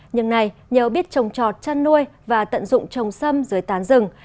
nhưng này nhớ biết trồng trọt chăn nuôi và tận dụng trồng sâm dưới tán rừng